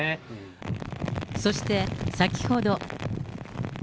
そして、先ほど。